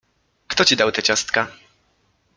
— Kto ci dał te ciastka?